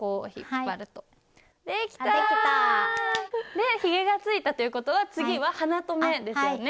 でひげがついたということは次は鼻と目ですよね。